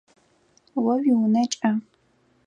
О уиунэ кӏэ.